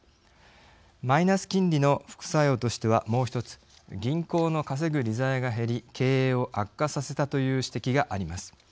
マイナス金利の副作用としてはもう一つ銀行の稼ぐ利ざやが減り経営を悪化させたという指摘があります。